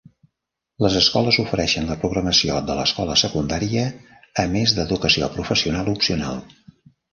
Les escoles ofereixen la programació de l'escola secundària, a més d'educació professional opcional.